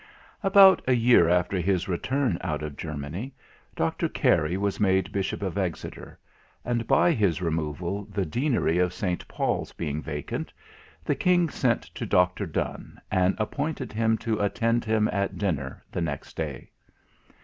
About a year after his return out of Germany, Dr. Carey was made Bishop of Exeter, and by his removal, the Deanery of St. Paul's being vacant, the King sent to Dr. Donne, and appointed him to attend him at dinner the next day.